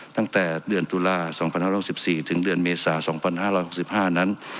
ตั้งแต่เดือนตุลาสองพันห้าร้อยหกสิบสี่ถึงเดือนเมษาสองพันห้าร้อยหกสิบห้านั้น